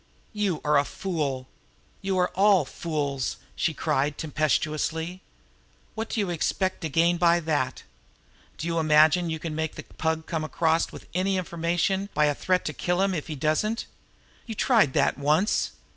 "You are a fool! You are all fools!" she cried tempestuously. "What do you expect to gain by that? Do you imagine you can make the Pug come across with any information by a threat to kill him if he doesn't? You tried that once.